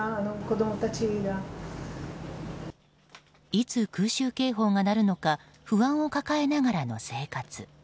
いつ空襲警報が鳴るのか不安を抱えながらの生活。